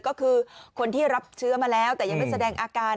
ก็คือคนที่รับเชื้อมาแล้วแต่ยังไม่แสดงอาการ